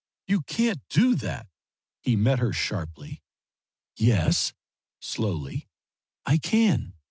"You can't do that," he met her, sharply. "Yes," slowly "I can.